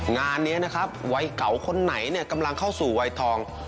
งานนี้นะครับวัยเก่าคนไหนเนี่ยกำลังเข้าสู่วัยทอง